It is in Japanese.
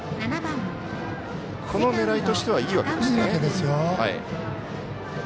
この狙いとしてはいいわけですね。